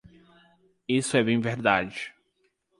Isso é bem verdade.